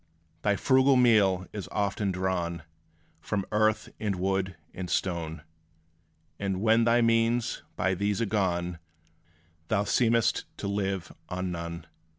Thy frugal meal is often drawn From earth, and wood, and stone; And when thy means by these are gone, Thou seem'st to live on none.